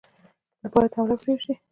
باید حمله پرې وشي.